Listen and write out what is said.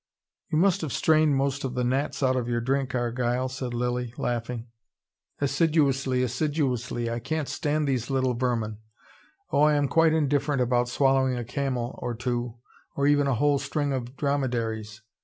"You must have strained most of the gnats out of your drink, Argyle," said Lilly, laughing. "Assiduously! Assiduously! I can't stand these little vermin. Oh, I am quite indifferent about swallowing a camel or two or even a whole string of dromedaries.